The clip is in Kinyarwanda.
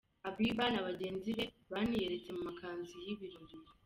Habiba na bagenzi be baniyeretse mu makanzu y’ibirori.